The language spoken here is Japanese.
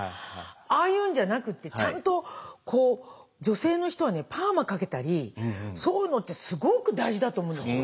ああいうんじゃなくってちゃんとこう女性の人はねパーマかけたりそういうのってすごく大事だと思うんですよ。